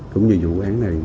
cũng như vụ án này